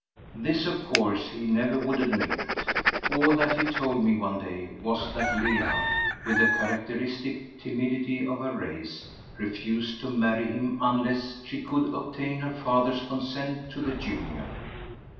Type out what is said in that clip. This, of course, he never would admit. All that he told me one day was that Leah, with the characteristic timidity of her race, refused to marry him unless she could obtain her father's consent to the union.